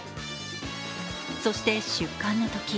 そして出棺の時。